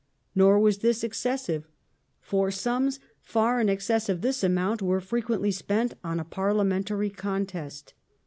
Nor was this excessive, for sums far in excess of this amount were frequently spent on a parliamentary contest.